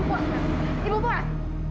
ibu buat ibu buat